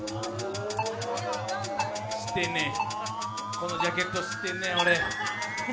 このジャケット、知ってんね俺。